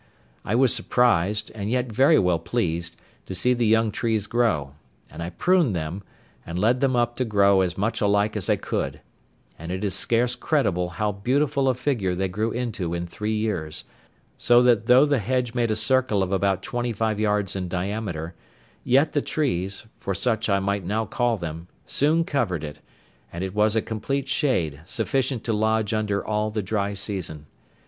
I was surprised, and yet very well pleased, to see the young trees grow; and I pruned them, and led them up to grow as much alike as I could; and it is scarce credible how beautiful a figure they grew into in three years; so that though the hedge made a circle of about twenty five yards in diameter, yet the trees, for such I might now call them, soon covered it, and it was a complete shade, sufficient to lodge under all the dry season.